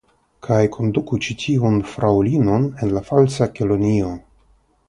Kaj konduku ĉi tiun fraŭlinon al la Falsa Kelonio.